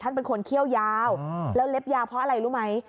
เป็นคนเขี้ยวยาวแล้วเล็บยาวเพราะอะไรรู้ไหม